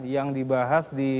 yang dibahas di revisi